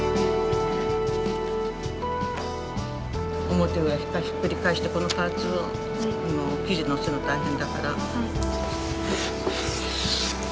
表裏ひっくり返してこのパーツを生地のせるの大変だから。